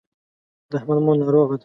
د احمد مور ناروغه ده.